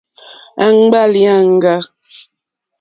Àŋɡbá lìàŋɡà.